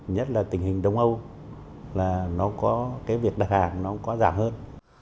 nhất là tình hình đông âu là nó có cái việc đặt hàng nó có giảm hơn